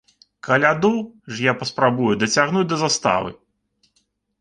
Каляду ж я паспрабую дацягнуць да заставы.